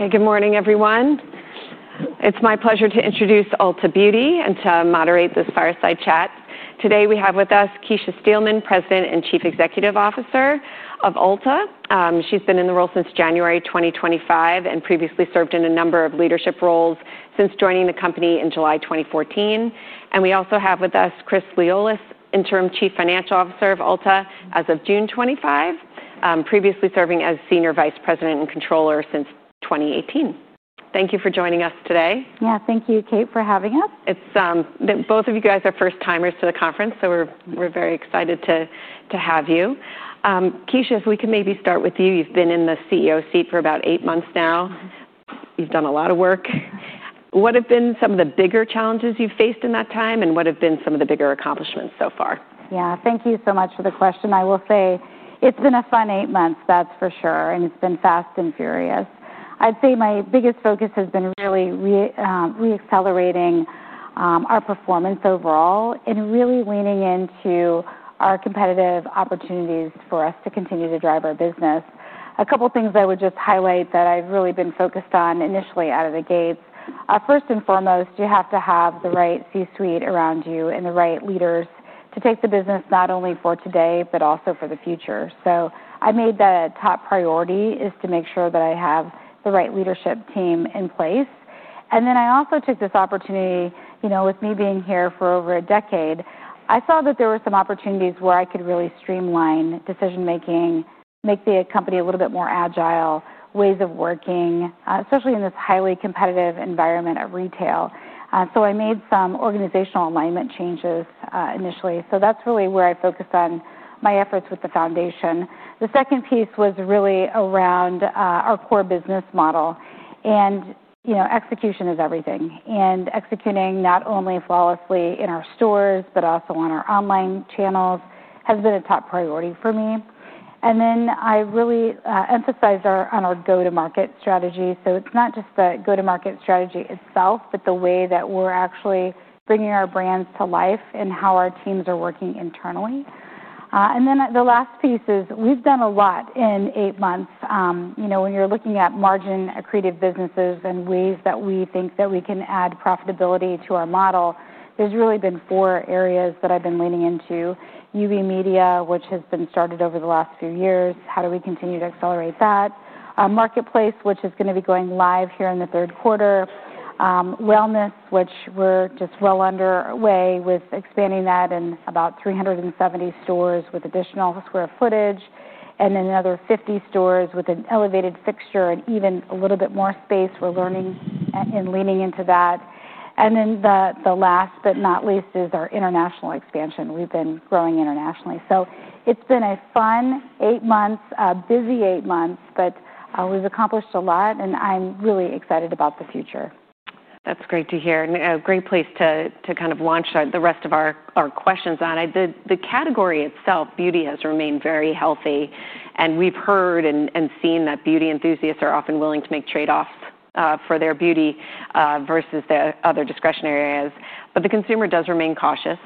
Okay. Good morning, everyone. It's my pleasure to introduce Ulta Beauty and to moderate this fireside chat. Today, we have with us Keisha Steelman, President and Chief Executive Officer of Ulta. She's been in the role since January 2025 and previously served in a number of leadership roles since joining the company in July 2014. And we also have with us Chris Liolas, interim chief financial officer of Ulta as of June 25, previously serving as senior vice president and controller since 2018. Thank you for joining us today. Yeah. Thank you, Kate, for having us. It's both of you guys are first timers to the conference, so we're we're very excited to to have you. Keisha, if we can maybe start with you, you've been in the CEO seat for about eight months now. You've done a lot of work. What have been some of the bigger challenges you've faced in that time? And what have been some of the bigger accomplishments so far? Yes. Thank you so much for the question. I will say it's been a fun eight months, that's for sure, and it's been fast and furious. I'd say my biggest focus has been really reaccelerating our performance overall and really leaning into our competitive opportunities for us to continue to drive our business. A couple of things I would just highlight that I've really been focused on initially out of the gate. First and foremost, you have to have the right C suite around you and the right leaders to take the business not only for today but also for the future. So I made the top priority is to make sure that I have the right leadership team in place. And then I also took this opportunity with me being here for over a decade. I saw that there were some opportunities where I could really streamline decision making, make the company a little bit more agile, ways of working, especially in this highly competitive environment at retail. So I made some organizational alignment changes initially. So that's really where I focused on my efforts with the foundation. The second piece was really around our core business model. And execution is everything. And executing not only flawlessly in our stores but also on our online channels has been a top priority for me. And then I really emphasize on our go to market strategy. So it's not just the go to market strategy itself, but the way that we're actually bringing our brands to life and how our teams are working internally. And then the last piece is we've done a lot in eight months. When you're looking at margin accretive businesses and ways that we think that we can add profitability to our model, there's really been four areas that I've been leaning into: UV Media, which has been started over the last few years, how do we continue to accelerate that marketplace, which is going to be going live here in the third quarter wellness, which we're just well underway with expanding that in about three seventy stores with additional square footage and then another 50 stores with an elevated fixture and even a little bit more space. We're learning and leaning into that. And then the last but not least is our international expansion. We've been growing internationally. So it's been a fun eight months, a busy eight months, but we've accomplished a lot, and I'm really excited about the future. That's great to hear. Great place to kind of launch the rest of our questions on it. The category itself, beauty, has remained very healthy. And we've heard and seen that beauty enthusiasts are often willing to make trade offs for their beauty versus their other discretionary areas, but the consumer does remain cautious.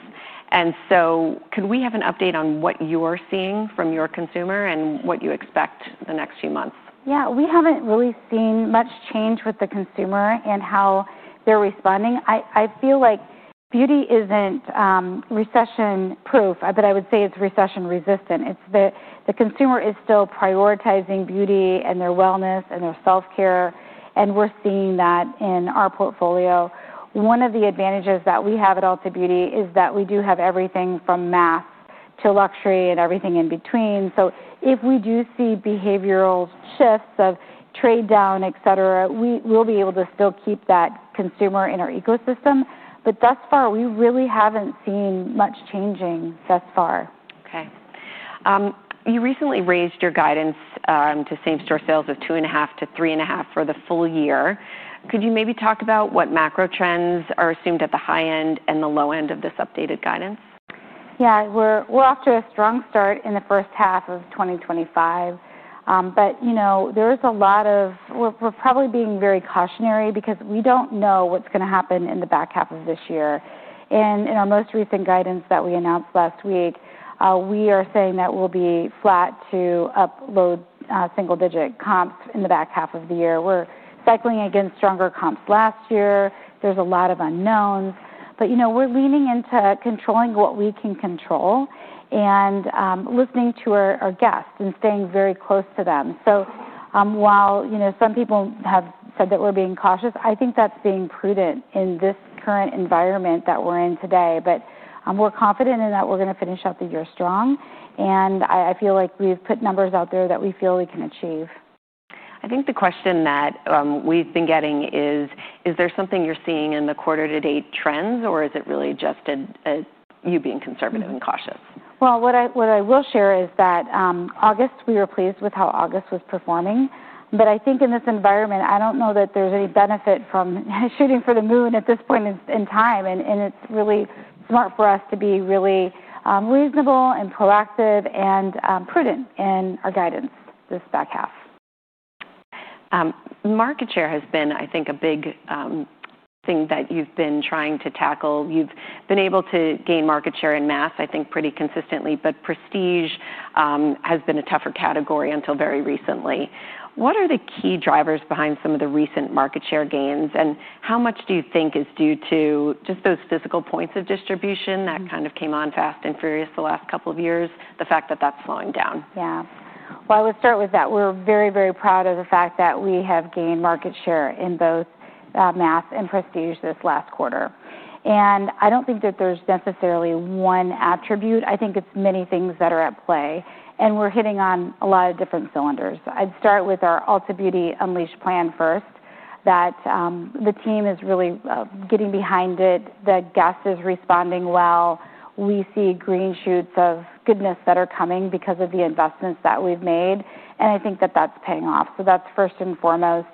And so could we have an update on what you're seeing from your consumer and what you expect in the next few months? Yes. We haven't really seen much change with the consumer and how they're responding. I feel like beauty isn't recession proof, but I would say it's recession resistant. It's the consumer is still prioritizing beauty and their wellness and their self care, and we're seeing that in our portfolio. One of the advantages that we have at Ulta Beauty is that we do have everything from mass to luxury and everything in between. So if we do see behavioral shifts of trade down, etcetera, we'll be able to still keep that consumer in our ecosystem. But thus far, we really haven't seen much changing thus far. Okay. You recently raised your guidance to same store sales of 2.5% to 3.5 for the full year. Could you maybe talk about what macro trends are assumed at the high end and the low end of this updated guidance? Yes. We're off to a strong start in the 2025. But there is a lot of we're probably being very cautionary because we don't know what's going to happen in the back half of this year. And in our most recent guidance that we announced last week, we are saying that we'll be flat to up low single digit comps in the back half of the year. We're cycling against stronger comps last year. There's a lot of unknowns. But we're leaning into controlling what we can control and listening to our guests and staying very close to them. So while some people have said that we're being cautious, I think that's being prudent in this current environment that we're in today. But we're confident in that we're going to finish out the year strong. And I feel like we've put numbers out there that we feel we can achieve. I think the question that we've been getting is, is there something you're seeing in the quarter to date trends? Or is it really just you being conservative and cautious? Well, what I will share is that August, we were pleased with how August was performing. But I think in this environment, I don't know that there's any benefit from shooting for the moon at this point in time, and it's really smart for us to be really reasonable and proactive and prudent in our guidance this back half. Market share has been, I think, big thing that you've been trying to tackle. You've been able to gain market share in mass, I think, pretty consistently, but prestige has been a tougher category until very recently. What are the key drivers behind some of the recent market share gains? And how much do you think is due to just those physical points of distribution that kind of came on fast and furious the last couple of years, the fact that that's slowing down? Yes. Well, I would start with that. We're very, very proud of the fact that we have gained market share in both mass and prestige this last quarter. And I don't think that there's necessarily one attribute. I think it's many things that are at play, And we're hitting on a lot of different cylinders. I'd start with our Ulta Beauty unleashed plan first that the team is really getting behind it. The guest is responding well. We see green shoots of goodness that are coming because of the investments that we've made. And I think that, that's paying off. So that's first and foremost,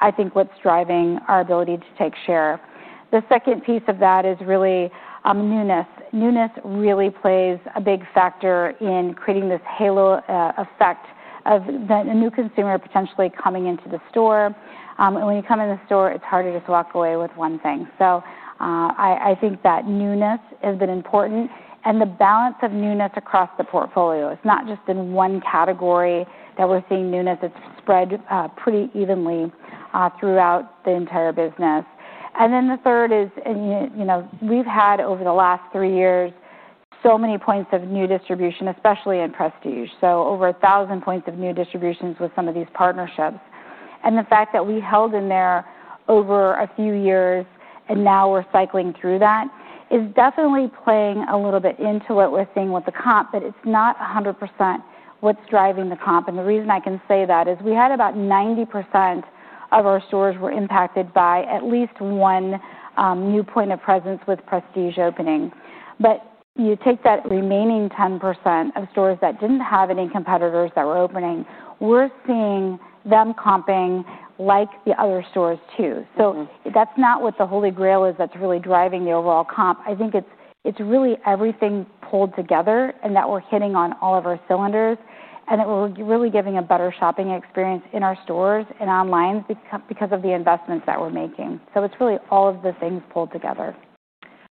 I think, what's driving our ability to take share. The second piece of that is really newness. Newness really plays a big factor in creating this halo effect of the new consumer potentially coming into the store. And when you come in the store, it's harder to just walk away with one thing. So I think that newness has been important. And the balance of newness across the portfolio, it's not just in one category that we're seeing newness. It's spread pretty evenly throughout the entire business. And then the third is, we've had over the last three years, so many points of new distribution, especially in Prestige. So over 1,000 points of new distributions with some of these partnerships. And the fact that we held in there over a few years and now we're cycling through that is definitely playing a little bit into what we're seeing with the comp, but it's not 100% what's driving the comp. And the reason I can say that is we had about 90% of our stores were impacted by at least one new point of presence with prestige opening. But you take that remaining 10% of stores that didn't have any competitors that were opening, we're seeing them comping like the other stores too. So that's not what the Holy Grail is that's really driving the overall comp. I think it's really everything pulled together and that we're hitting on all of our cylinders, and that we're really giving a better shopping experience in our stores and online because of the investments that we're making. So it's really all of the things pulled together.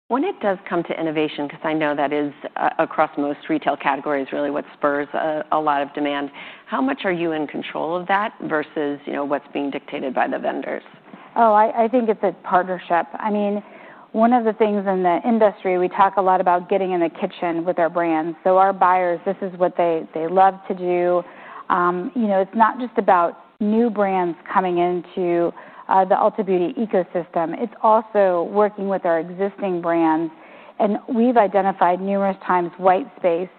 When it does come to innovation, because I know that is across most retail categories really what spurs a lot of demand, how much are you in control of that versus what's being dictated by the vendors? Oh, I think it's a partnership. I mean, one of the things in the industry, we talk a lot about getting in the kitchen with our brands. So our buyers, this is what they love to do. It's not just about new brands coming into the Ulta Beauty ecosystem. It's also working with our existing brands. And we've identified numerous times white space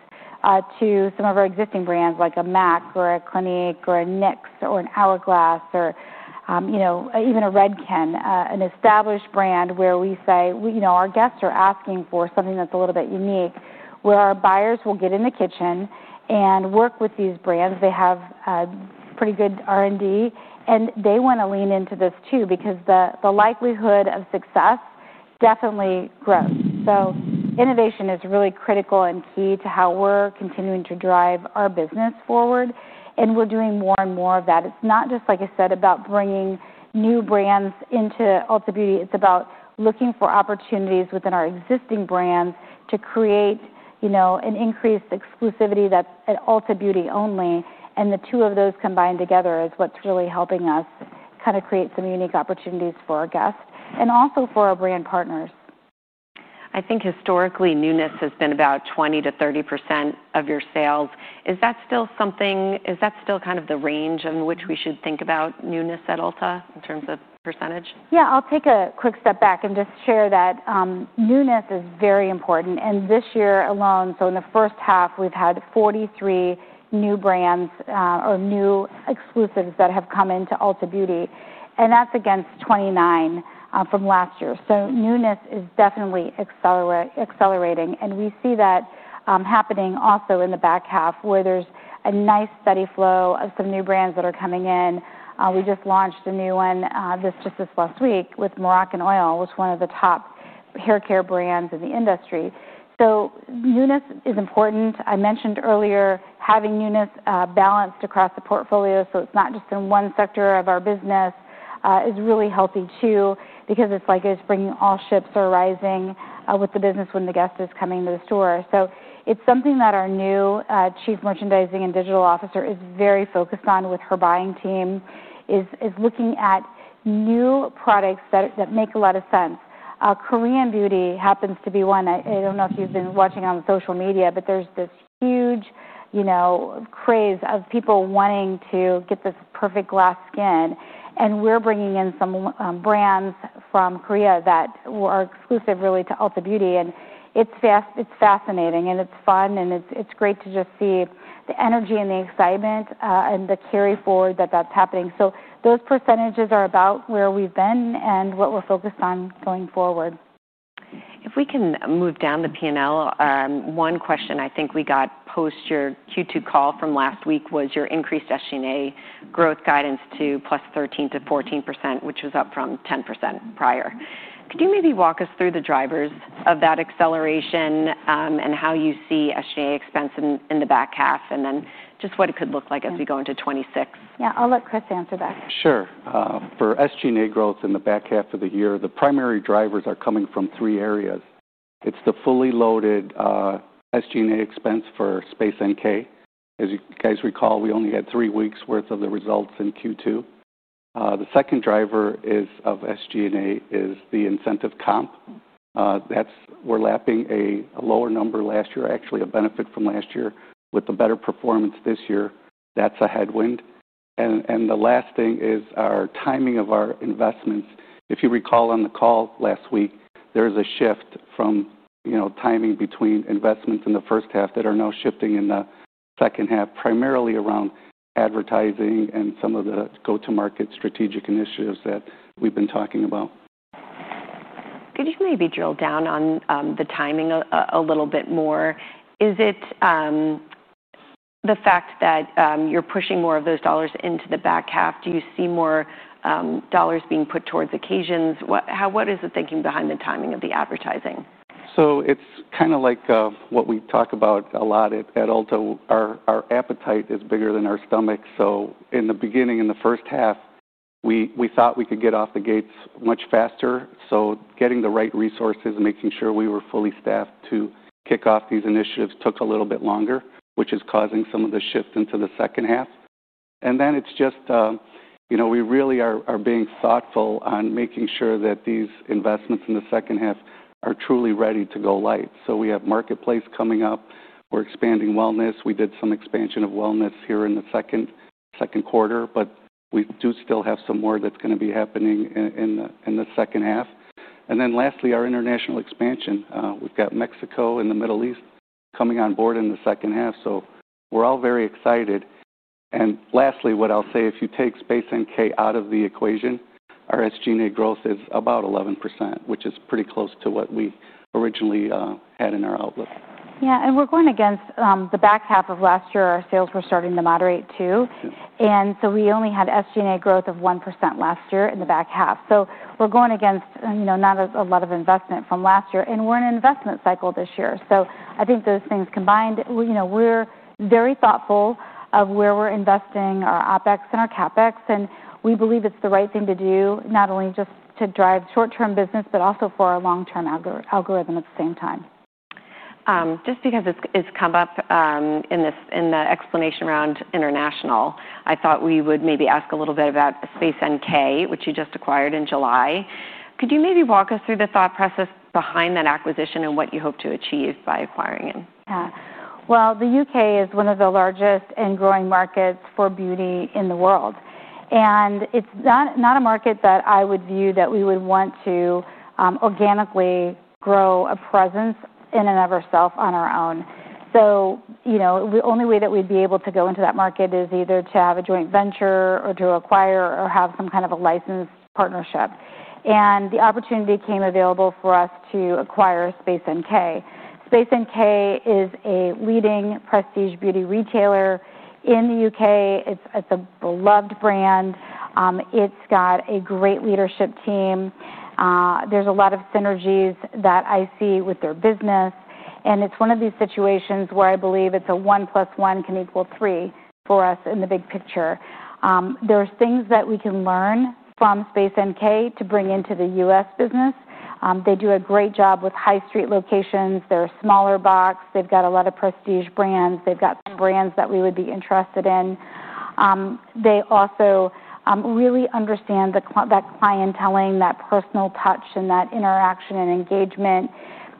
to some of our existing brands like a MAC or a Clinique or a NYX or an Hourglass or even a Redken, an established brand where we say, our guests are asking for something that's a little bit unique, where our buyers will get in the kitchen and work with these brands. They have pretty good R and D, and they want to lean into this too because the likelihood of success definitely grows. So innovation is really critical and key to how we're continuing to drive our business forward, and we're doing more and more of that. It's not just, like I said, about bringing new brands into Ulta Beauty. It's about looking for opportunities within our existing brands to create an increased exclusivity that's at Ulta Beauty only. And the two of those combined together is what's really helping us kind of create some unique opportunities for our guests and also for our brand partners. I think historically, newness has been about 20% to 30% of your sales. Is that still something is that still kind of the range in which we should think about newness at Ulta in terms of percentage? Yes. I'll take a quick step back and just share that newness is very important. And this year alone, so in the first half, we've had 43 new brands or new exclusives that have come into Ulta Beauty, and that's against 29 from last year. So newness is definitely accelerating. And we see that happening also in the back half, where there's a nice steady flow of some new brands that are coming in. We just launched a new one just this last week with Moroccan Oil, which is one of the top hair care brands in the industry. So newness is important. I mentioned earlier having newness balanced across the portfolio, so it's not just in one sector of our business, is really healthy, too, because it's like it's bringing all ships or rising with the business when the guest is coming to the store. So it's something that our new Chief Merchandising and Digital Officer is very focused on with her buying team, looking at new products that make a lot of sense. Korean beauty happens to be one don't know if you've been watching on social media, but there's this huge craze of people wanting to get this perfect glass skin. And we're bringing in some brands from Korea that are exclusive really to Ulta Beauty. And it's fascinating and it's fun and it's great to just see the energy and the excitement and the carryforward that, that's happening. So those percentages are about where we've been and what we're focused on going forward. If we can move down the P and L. One question I think we got post your Q2 call from last week was your increased SG and A growth guidance to plus 13% to 14%, which was up from 10% prior. Could you maybe walk us through the drivers of that acceleration and how you see SG and A expense in the back half? And then just what it could look like as we go into 2026? Yes. I'll let Chris answer that. Sure. For SG and A growth in the back half of the year, the primary drivers are coming from three areas. It's the fully loaded SG and A expense for Space NK. As you guys recall, we only had three weeks' worth of the results in Q2. The second driver is of SG and A is the incentive comp. That's we're lapping a lower number last year, actually a benefit from last year with the better performance this year. That's a headwind. And the last thing is our timing of our investments. If you recall on the call last week, there is a shift from timing between investments in the first half that are now shifting in the second half, primarily around advertising and some of the go to market strategic initiatives that we've been talking about. Could you maybe drill down on the timing a little bit more? Is it the fact that, you're pushing more of those dollars into the back half? Do you see more, dollars being put towards occasions? What is the thinking behind the timing of the advertising? So it's kind of like what we talk about a lot at Ulta. Our appetite is bigger than our stomach. So in the beginning, in the first half, we thought we could get off the gates much faster. So getting the right resources and making sure we were fully staffed to kick off these initiatives took a little bit longer, which is causing some of the shift into the second half. And then it's just we really are being thoughtful on making sure that these investments in the second half are truly ready to go light. So we have marketplace coming up. We're expanding wellness. We did some expansion of wellness here in the second quarter, but we do still have some more that's going to be happening in the second half. And then lastly, our international expansion. We've got Mexico and The Middle East coming on board in the second half. So we're all very excited. And lastly, what I'll say, if you take Space NK out of the equation, our SG and A growth is about 11%, which is pretty close to what we originally had in our outlook. Yes. And we're going against the back half of last year, our sales were starting to moderate too. And so we only had SG and A growth of 1% last year in the back half. So we're going against not a lot of investment from last year and we're in an investment cycle this year. So I think those things combined, we're very thoughtful of where we're investing our OpEx and our CapEx. And we believe it's the right thing to do not only just to drive short term business but also for our long term algorithm at the same time. Just because it's come up in the explanation around international, I thought we would maybe ask a little bit about Space NK, which you just acquired in July. Could you maybe walk us through the thought process behind that acquisition and what you hope to achieve by acquiring it? Well, The U. K. Is one of the largest and growing markets for beauty in the world. And it's not a market that I would view that we would want to organically grow a presence in and of ourselves on our own. The only way that we'd be able to go into that market is either to have a joint venture or to acquire or have some kind of a licensed partnership. And the opportunity became available for us to acquire Space NK. Space NK is a leading prestige beauty retailer in The U. K. It's a beloved brand. It's got a great leadership team. There's a lot of synergies that I see with their business. And it's one of these situations where I believe it's a one plus one can equal three for us in the big picture. There's things that we can learn from Space NK to bring into The U. S. Business. They do a great job with high street locations. They're a smaller box. They've got a lot of prestige brands. They've got some brands that we would be interested in. They also really understand that clienteling, that personal touch and that interaction and engagement.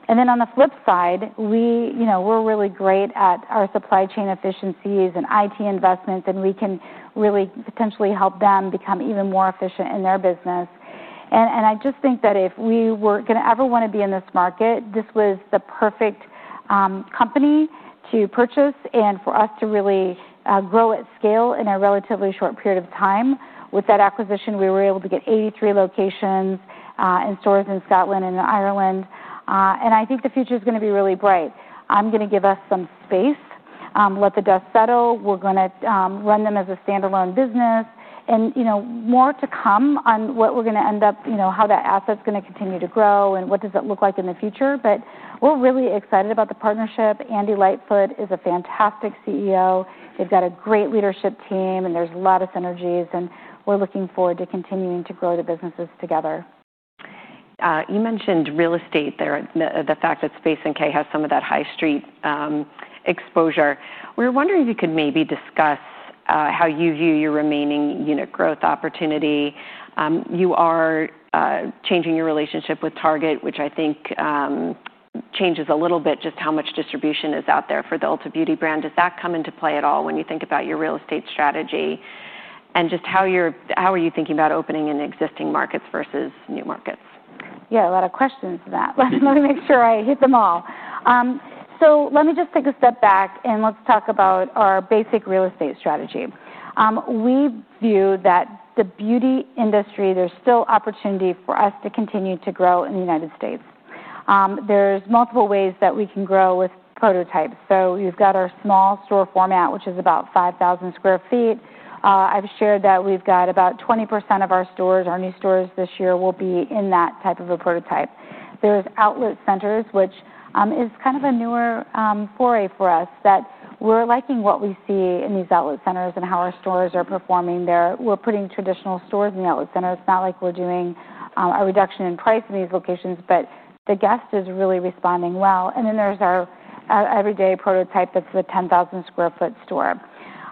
And then on the flip side, we're really great at our supply chain efficiencies and IT investments, and we can really potentially help them become even more efficient in their business. And I just think that if we were going to ever want to be in this market, this was the perfect company to purchase and for us to really grow at scale in a relatively short period of time. With that acquisition, we were able to get 83 locations and stores in Scotland and Ireland. And I think the future is going to be really bright. I'm going to give us some space, let the dust settle. We're going to run them as a stand alone business. And more to come on what we're going to end up how that asset is going to continue to grow and what does it look like in the future. But we're really excited about the partnership. Andy Lightfoot is a fantastic CEO. They've got a great leadership team, and there's a lot of synergies. And we're looking forward to continuing to grow the businesses together. You mentioned real estate there, the fact that Space and K has some of that High Street exposure. We were wondering if you could maybe discuss how you view your remaining unit growth opportunity. You are changing your relationship with Target, which I think changes a little bit just how much distribution is out there for the Ulta Beauty brand. Does that come into play at all when you think about your real estate strategy? And just how are you thinking about opening in existing markets versus new markets? Yes. A lot of questions for that. Let me make sure I hit them all. So let me just take a step back, and let's talk about our basic real estate strategy. We view that the beauty industry, there's still opportunity for us to continue to grow in The United States. There's multiple ways that we can grow with prototypes. So we've got our small store format, which is about 5,000 square feet. I've shared that we've got about 20% of our stores, our new stores this year will be in that type of a prototype. There is outlet centers, which is kind of a newer foray for us that we're liking what we see in these outlet centers and how our stores are performing there. We're putting traditional stores in the outlet center. It's not like we're doing a reduction in price in these locations, but the guest is really responding well. And then there's our everyday prototype of the 10,000 square foot store.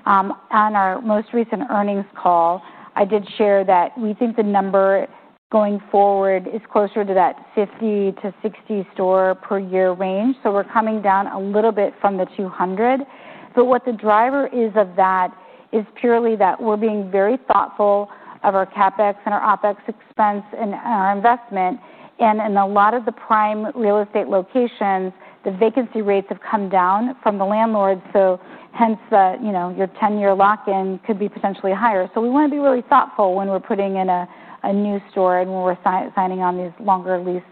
On our most recent earnings call, I did share that we think the number going forward is closer to that 50 to 60 store per year range. So we're coming down a little bit from the 200. So what the driver is of that is purely that we're being very thoughtful of our CapEx and our OpEx expense and our investment. And in a lot of the prime real estate locations, the vacancy rates have come down from the landlords. So hence, your ten year lock in could be potentially higher. So we want to be really thoughtful when we're putting in a new store and when we're signing on these longer lease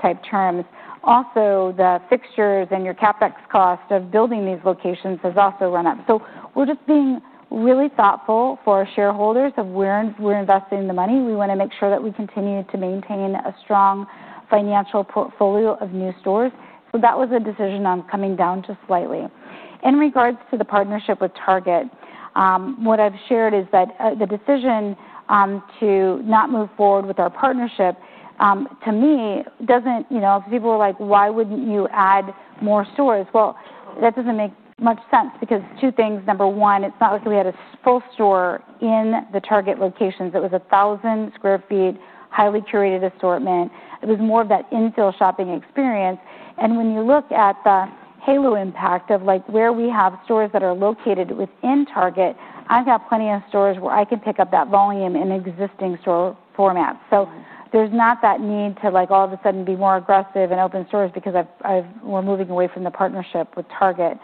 type terms. Also, the fixtures and your CapEx cost of building these locations has also run up. So we're just being really thoughtful for our shareholders of where we're investing the money. We want to make sure that we continue to maintain a strong financial portfolio of new stores. So that was a decision on coming down to slightly. In regards to the partnership with Target, what I've shared is that the decision to not move forward with our partnership, to me, doesn't people are like, why wouldn't you add more stores? Well, that doesn't make much sense because two things. Number one, it's not like we had a full store in the Target locations. It was 1,000 square feet, highly curated assortment. It was more of that infill shopping experience. And when you look at the halo impact of like where we have stores that are located within Target, I've got plenty of stores where I can pick up that volume in existing store formats. So there's not that need to like all of a sudden be more aggressive and open stores because I've we're moving away from the partnership with Target.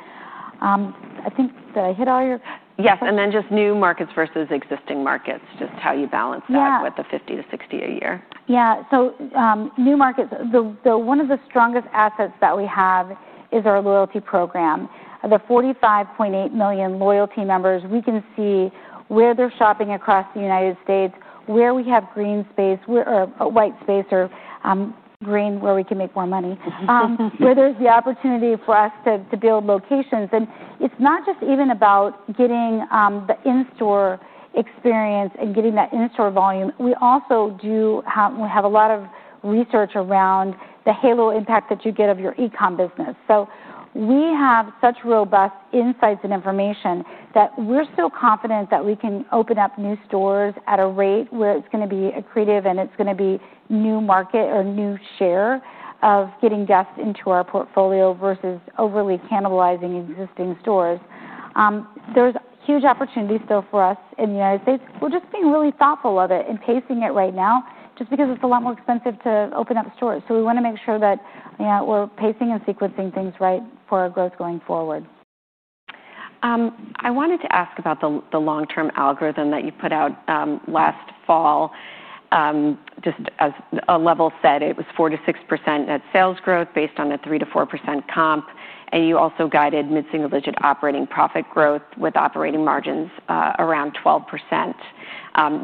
I think did I hit all your Yes. And then just new markets versus existing markets, just how you balance that Yes. With the 50 to 60 a So new markets, the one of the strongest assets that we have is our loyalty program. The 45,800,000 loyalty members, we can see where they're shopping across The United States, where we have green space or white space or green where we can make more money, where there's the opportunity for us to build locations. And it's not just even about getting the in store experience and getting that in store volume. We also do have we have a lot of research around the halo impact that you get of your e com business. So we have such robust insights and information that we're still confident that we can open up new stores at a rate where it's going to be accretive and it's going to be new market or new share of getting guests into our portfolio versus overly cannibalizing existing stores. There's huge opportunity still for us in The United States. We're just being really thoughtful of it and pacing it right now just because it's a lot more expensive to open up stores. So we want to make sure that we're pacing and sequencing things right for our growth going forward. I wanted to ask about the long term algorithm that you put out last fall. Just as a level set, it was 4% to 6% net sales growth based on a 3% to 4% comp. And you also guided mid single digit operating profit growth with operating margins around 12%,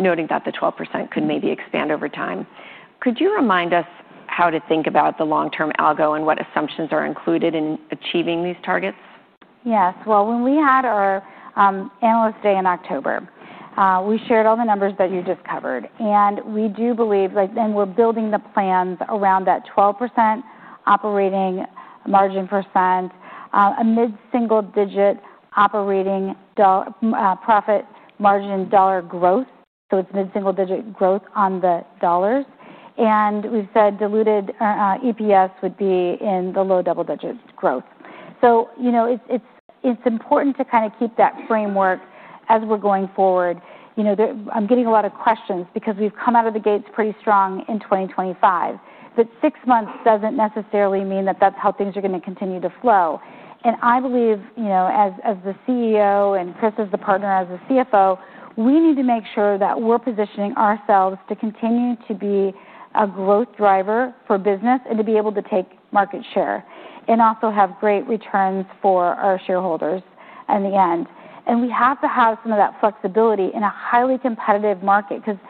noting that the 12% could maybe expand over time. Could you remind us how to think about the long term algo and what assumptions are included in achieving these targets? Yes. Well, when we had our Analyst Day in October, we shared all the numbers that you just covered. And we do believe and we're building the plans around that 12% operating margin percent, a mid single digit operating profit margin dollar growth. So it's mid single digit growth on the dollars. And we've said diluted EPS would be in the low double digit growth. So it's important to kind of keep that framework as we're going forward. I'm getting a lot of questions because we've come out of the gates pretty strong in 2025. But six months doesn't necessarily mean that, that's how things are going to continue to flow. And I believe, as the CEO and Chris as the partner as the CFO, we need to make sure that we're positioning ourselves to continue to be a growth driver for business and to be able to take market share and also have great returns for our shareholders in the end. And we have to have some of that flexibility in a highly competitive market because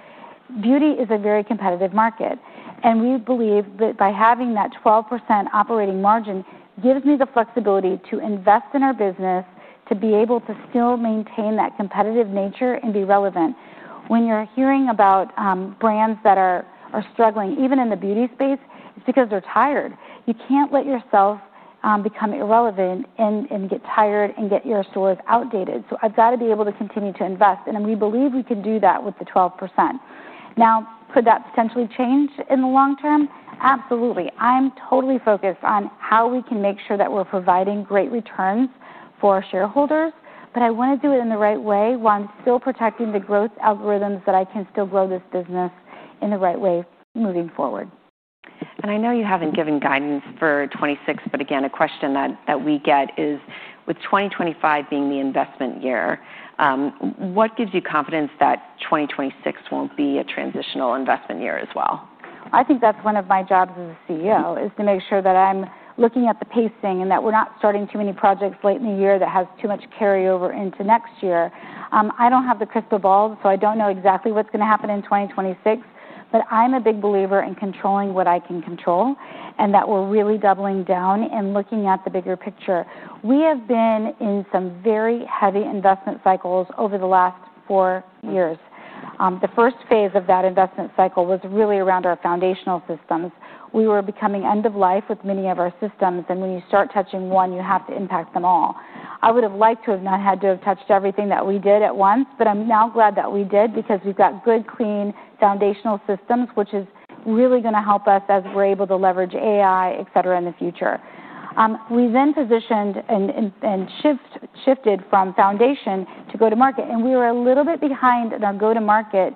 beauty is a very competitive market. And we believe that by having that 12 operating margin gives me the flexibility to invest in our business to be able to still maintain that competitive nature and be relevant. When you're hearing about brands that are struggling even in the beauty space, it's because they're tired. You can't let yourself become irrelevant and get tired and get your stores outdated. So I've got to be able to continue to invest, and we believe we can do that with the 12%. Now could that potentially change in the long term? Absolutely. I'm totally focused on how we can make sure that we're providing great returns for our shareholders. But I want to do it in the right way while I'm still protecting the growth algorithms that I can still grow this business in the right way moving forward. And I know you haven't given guidance for 'twenty six, but again, a question that we get is with 2025 being the investment year, what gives you confidence that 2026 won't be a transitional investment year as well? I think that's one of my jobs as a CEO is to make sure that I'm looking at the pacing and that we're not starting too many projects late in the year that has too much carryover into next year. I don't have the crystal ball, so I don't know exactly what's going to happen in 2026, but I'm a big believer in controlling what I can control and that we're really doubling down and looking at the bigger picture. We have been in some very heavy investment cycles over the last four years. The first phase of that investment cycle was really around our foundational systems. We were becoming end of life with many of our systems. And when you start touching one, you have to impact them all. I would have liked to have not had to have touched everything that we did at once, but I'm now glad that we did because we've got good, clean foundational systems, which is really going to help us as we're able to leverage AI, etcetera, in the future. We then positioned and shifted from foundation to go to market, and we were a little bit behind in our go to market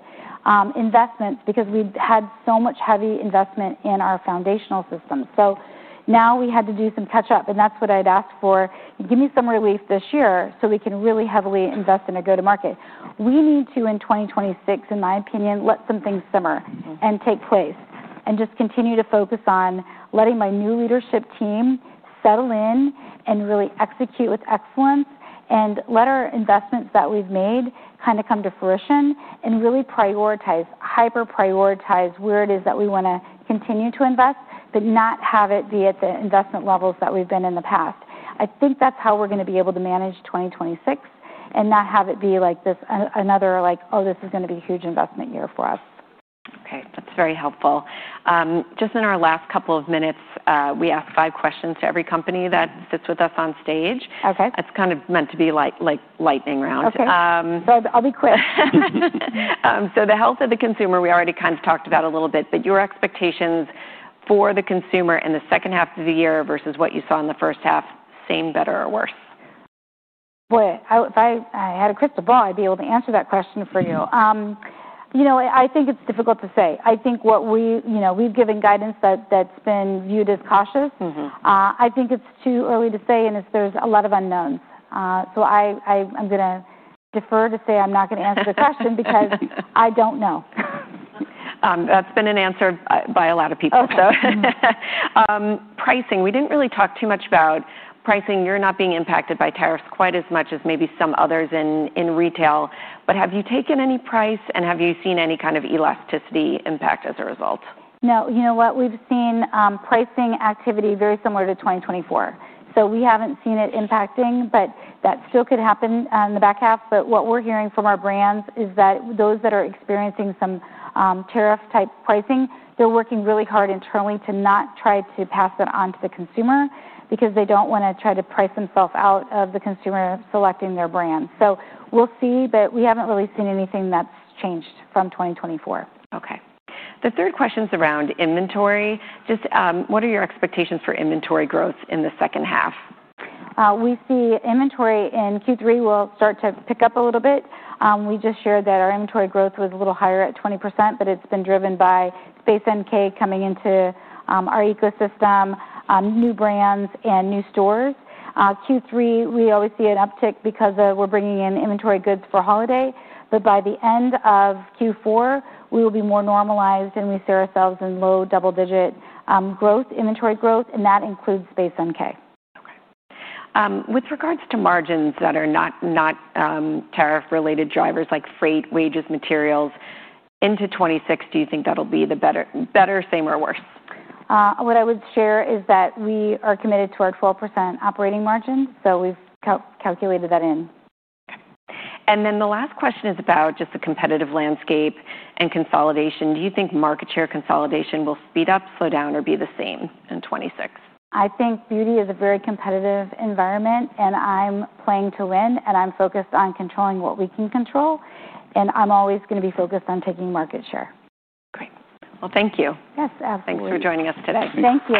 investments because we had so much heavy investment in our foundational system. So now we had to do some catch up, and that's what I'd ask for. Give me some relief this year so we can really heavily invest in a go to market. We need to, in 2026, in my opinion, let some things simmer and take place and just continue to focus on letting my new leadership team settle in and really execute with excellence and let our investments that we've made kind of come to fruition and really prioritize, hyper prioritize where it is that we want to continue to invest, but not have it be at the investment levels that we've been in the past. I think that's how we're going to be able to manage 2026 and not have it be like this another like, oh, this is going to be a huge investment year for us. Okay. That's very helpful. Just in our last couple of minutes, we ask five questions to every company that sits with us on stage. Okay. That's kind of meant to be like like lightning round. Okay. So I'll be quick. So the health of the consumer, we already kind of talked about a little bit, but your expectations for the consumer in the second half of the year versus what you saw in the first half, same, better or worse? Boy, if I had a crystal ball, I'd be able to answer that question for you. I think it's difficult to say. I think what we we've given guidance that's been viewed as cautious. I think it's too early to say and if there's a lot of unknowns. So I'm going to defer to say I'm not going to answer the question because I don't know. That's been an answer by a lot of people. Pricing, we didn't really talk too much about pricing. You're not being impacted by tariffs quite as much as maybe some others in retail. But have you taken any price? And have you seen any kind of elasticity impact as a result? No. You know what? We've seen pricing activity very similar to 2024. So we haven't seen it impacting, but that still could happen in the back half. But what we're hearing from our brands is that those that are experiencing some tariff type pricing, they're working really hard internally to not try to pass that on to the consumer because they don't want to try to price themselves out of the consumer selecting their brand. So we'll see, but we haven't really seen anything that's changed from 2024. Okay. The third question is around inventory. Just what are your expectations for inventory growth in the second half? We see inventory in Q3 will start to pick up a little bit. We just shared that our inventory growth was a little higher at 20%, but it's been driven by Space NK coming into our ecosystem, new brands and new stores. Q3, we always see an uptick because we're bringing in inventory goods for holiday. But by the end of Q4, we will be more normalized and we see ourselves in low double digit growth, inventory growth, and that includes Space NK. Okay. With regards to margins that are not tariff related drivers like freight, wages, materials, into 2016, do you think that will be the better, same or worse? What I would share is that we are committed to our 12% operating margin. So we've calculated that in. And then the last question is about just the competitive landscape and consolidation. Do you think market share consolidation will speed up, slow down or be the same in '26? I think beauty is a very competitive environment, and I'm playing to win. And I'm focused on controlling what we can control, and I'm always going to be focused on taking market share. Great. Well, thank you. Yes, absolutely. Thanks for joining us today. Thank you.